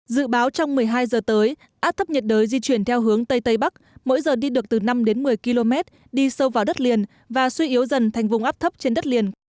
dự báo trong một mươi hai giờ tới áp thấp nhiệt đới di chuyển theo hướng tây tây bắc mỗi giờ đi được từ năm đến một mươi km đi sâu vào đất liền và suy yếu dần thành vùng áp thấp trên đất liền